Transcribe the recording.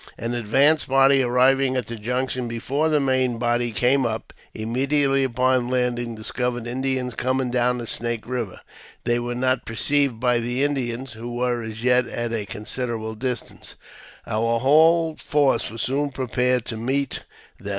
An advanced party arriving at the junction before the main body came up, immediately upon land j ing discovered Indians coming down the Snake Eiver. The] were not perceived by the Indians, who were as yet at a con i siderable distance. Our whole force was soon prepared to meet AUTOBIOGBAPHY OF JAMES P. BECKWOUBTH. 99 them.